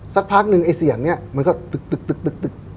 สักพักนึงเสียงมันตึก